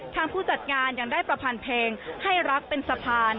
ผู้จัดงานยังได้ประพันธ์เพลงให้รักเป็นสะพาน